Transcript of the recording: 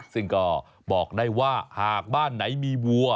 ซึ่งก็บอกได้ว่าหากบ้านไหนมีวัว